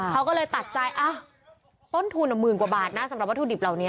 เขาก็เลยตัดใจต้นทุนหมื่นกว่าบาทนะสำหรับวัตถุดิบเหล่านี้